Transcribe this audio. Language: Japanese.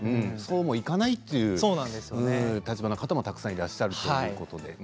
そうはいかないという立場の方もたくさんいらっしゃるということで。